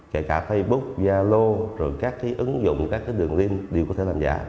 kể cả facebook yalo rồi các cái ứng dụng các cái đường link đều có thể làm giả